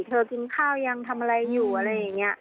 กินข้าวยังทำอะไรอยู่อะไรอย่างนี้